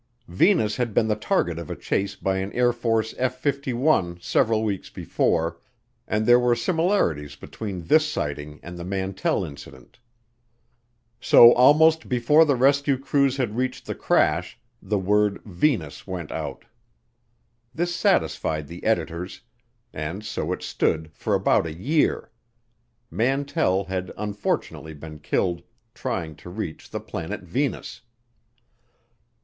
Venus had been the target of a chase by an Air Force F 51 several weeks before and there were similarities between this sighting and the Mantell Incident. So almost before the rescue crews had reached the crash, the word "Venus" went out. This satisfied the editors, and so it stood for about a year; Mantell had unfortunately been killed trying to reach the planet Venus.